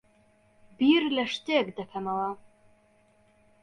بیر لە شتێک دەکەمەوە.